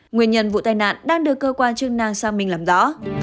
nguyên nhân vụ tai nạn đang được cơ quan chức năng sang minh làm rõ